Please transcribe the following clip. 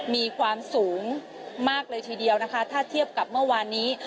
มีความสูงมากเลยทีเดียวนะคะถ้าเทียบกับเมื่อวานนี้